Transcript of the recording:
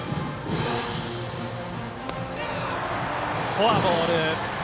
フォアボール。